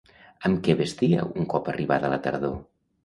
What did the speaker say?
Amb què vestia un cop arribada la tardor?